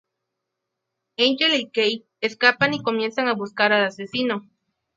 Angel y Kate escapan y comienzan a buscar al asesino.